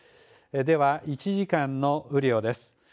では、１時間の雨量です。